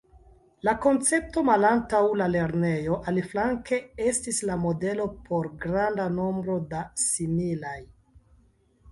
La koncepto malantaŭ la lernejo, aliflanke, estis la modelo por granda nombro da similaj.